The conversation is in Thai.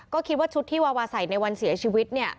ก็คิดว่าชุดที่วาวาใส่ในวันเสียชีวิตเนี่ย